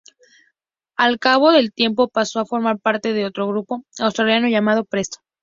Al cabo del tiempo pasó a formar parte de otro grupo asturiano, llamado Presto.